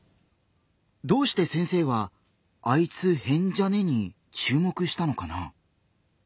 どうして先生は「あいつ変じゃね？」に注目したのかな？